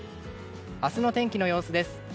明日の天気の様子です。